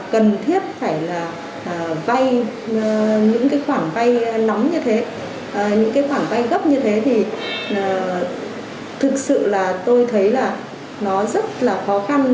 cần thiết phải vay những khoản vay lắm như thế những khoản vay gấp như thế thì thực sự tôi thấy rất là khó khăn